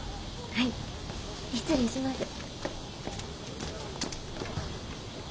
はい失礼します。